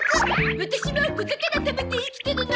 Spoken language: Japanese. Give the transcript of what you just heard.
ワタシも小魚食べて生きてるの。